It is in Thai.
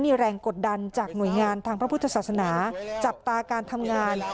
มีแรงกดดันจากหน่วยงานทางพระพุทธศาสนาจับตาการทำงาน